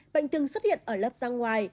bệnh từng xuất hiện ở lớp ra ngoài